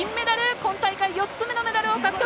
今大会４つ目のメダルを獲得！